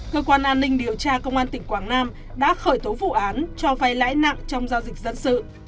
cơ quan an ninh điều tra công an tỉnh quảng nam đã khởi tố vụ án cho vay lãi nặng trong giao dịch dân sự